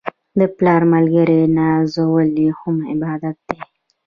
د پلار ملګري نازول هم عبادت دی.